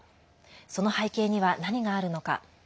その背景には何があるのか。